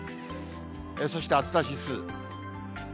そして、暑さ指数。